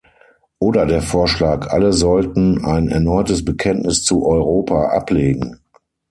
Oder der Vorschlag, alle sollten ein erneutes Bekenntnis zu Europa ablegen.